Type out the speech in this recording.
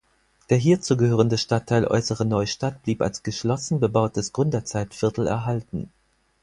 Der hierzu gehörende Stadtteil Äußere Neustadt blieb als geschlossen bebautes Gründerzeitviertel erhalten.